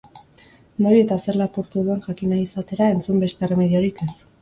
Nori eta zer lapurtu duen jakin nahi izatera, entzun beste erremediorik ez!